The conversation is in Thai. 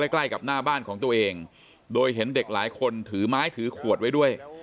ใกล้กับหน้าบ้านของตัวเองโดยเห็นเด็กหลายคนถือไม้ถือขวดไว้ด้วย